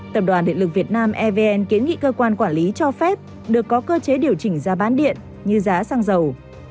tập đoàn điện lực việt nam evn kiến nghị cơ quan quản lý cho phép được có cơ chế điều chỉnh giá bán điện như giá xăng dầu